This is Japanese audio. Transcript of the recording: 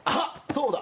そうだ。